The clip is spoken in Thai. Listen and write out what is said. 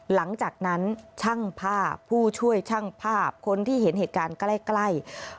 หลังจากนั้นช่างภาพผู้ช่วยช่างภาพคนที่เห็นเหตุการณ์ใกล้